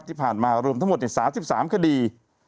ที่ผ่านมารวมทั้งหมด๓๓คดี